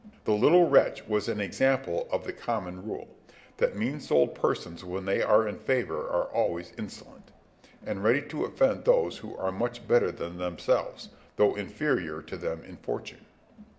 The little wretch was an example of the common rule—that mean souled persons when they are in favour are always insolent, and ready to offend those who are much better than themselves, though inferior to them in fortune.